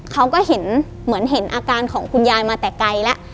เขาก็เห็นเหมือนเห็นอาการของคุณยายมาแต่ไกลแล้ว